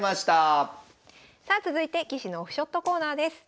さあ続いて棋士のオフショットコーナーです。